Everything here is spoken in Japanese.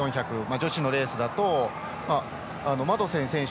女子のレースだとマドセン選手